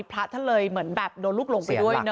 พระท่านเลยเหมือนแบบโดนลูกหลงไปด้วยเน